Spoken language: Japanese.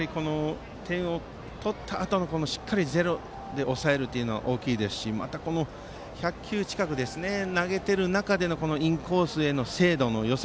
点を取ったあとしっかりゼロで抑えるというのは大きいですしまた１００球近く投げている中でのインコースへの精度のよさ。